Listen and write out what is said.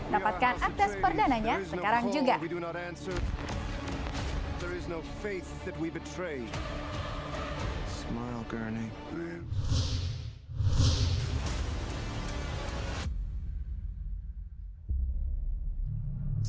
dapatkan aktes perdananya sekarang juga